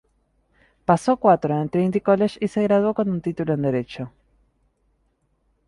Pasó cuatro en el Trinity College y se graduó con un título en Derecho.